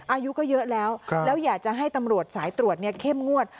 อายุก็เยอะแล้วแล้วอยากจะให้ตำรวจสายตรวจเข้มงวด